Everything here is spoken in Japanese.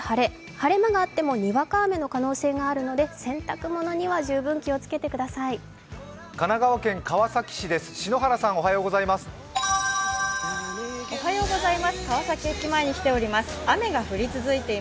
晴れ間があってもにわか雨の可能性があるので、洗濯物には十分気をつけてください。